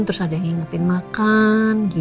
terus ada yang ngingetin makan